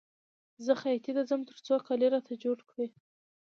زه خیاطۍ ته ځم تر څو کالي راته جوړ کړي